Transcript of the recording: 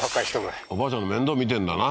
おばあちゃんの面倒見てんだな